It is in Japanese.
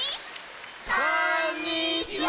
こんにちは！